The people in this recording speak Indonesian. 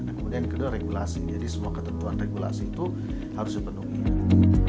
nah kemudian kedua regulasi jadi semua ketentuan regulasi itu harus dipenuhi